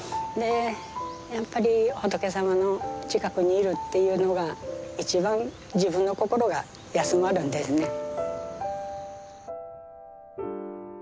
でやっぱり仏様の近くにいるっていうのが一番自分の心が休まるんですね。